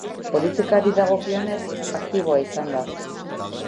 Politikari dagokionez, aktiboa izan da.